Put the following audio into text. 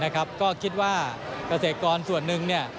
ก็คิดว่าเกษตรกรส่วนหนึ่ง